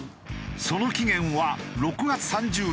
その期限は６月３０日だ。